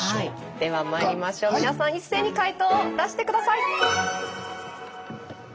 ではまいりましょう皆さん一斉に解答を出して下さい。